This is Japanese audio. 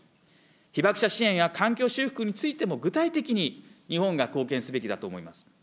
被爆者支援や環境修復についても、具体的に日本が貢献すべきだと思います。